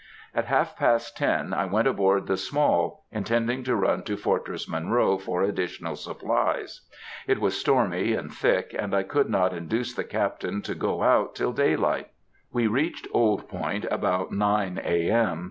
At half past ten, I went aboard the Small, intending to run to Fortress Monroe for additional supplies. It was stormy and thick, and I could not induce the Captain to go out till daylight. We reached Old Point about nine, A. M.